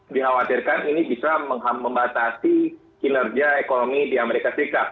dikhawatirkan ini bisa membatasi kinerja ekonomi di amerika serikat